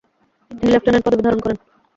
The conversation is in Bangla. তিনি লেফট্যানেন্ট পদবী ধারণ করেন।